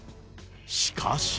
しかし。